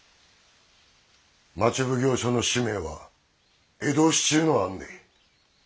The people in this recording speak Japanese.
町奉行所の使命は江戸市中の安寧。